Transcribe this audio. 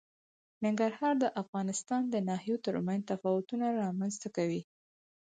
ننګرهار د افغانستان د ناحیو ترمنځ تفاوتونه رامنځ ته کوي.